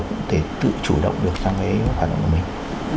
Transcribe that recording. cũng thể tự chủ động được sang cái hoạt động của mình